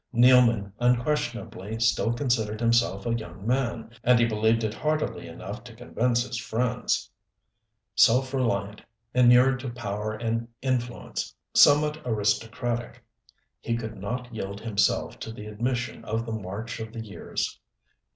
Nealman unquestionably still considered himself a young man, and he believed it heartily enough to convince his friends. Self reliant, inured to power and influence, somewhat aristocratic, he could not yield himself to the admission of the march of the years.